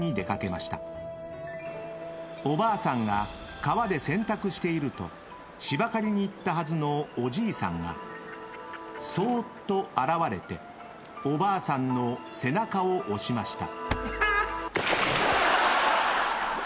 ［おばあさんが川で洗濯しているとしば刈りに行ったはずのおじいさんがそうっと現れておばあさんの背中を押しました］